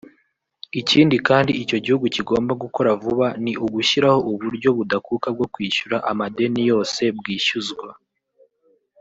Ikindi kandi icyo gihugu kigomba gukora vuba ni ugushyiraho uburyo budakuka bwo kwishyura amadeni yose bwishyuzwa